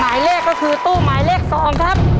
มาดูต่อเลยว่าโบนัสหลังตู้หมายเลข๒เท่าไร